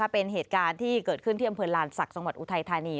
เป็นเหตุการณ์ที่เกิดขึ้นที่อำเภอลานศักดิ์จังหวัดอุทัยธานี